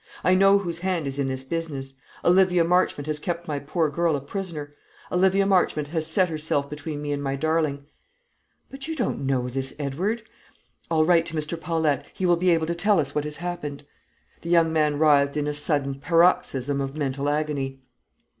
I know whose hand is in this business. Olivia Marchmont has kept my poor girl a prisoner; Olivia Marchmont has set herself between me and my darling!" "But you don't know this, Edward. I'll write to Mr. Paulette; he will be able to tell us what has happened." The young man writhed in a sudden paroxysm of mental agony.